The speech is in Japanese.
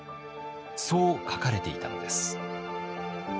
そう書かれていたのです。